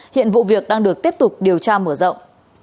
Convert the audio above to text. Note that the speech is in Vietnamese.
hiện vụ việc đang được tiếp tục điều tra mở rộng